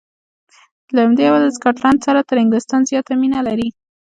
له همدې امله د سکاټلنډ سره تر انګلیستان زیاته مینه لري.